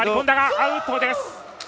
アウトです！